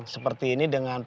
seperti ini dengan